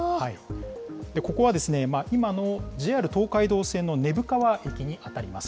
ここはですね、今のＪＲ東海道線の根府川駅に当たります。